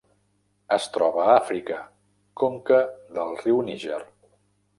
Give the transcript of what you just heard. Es troba a Àfrica: conca del riu Níger.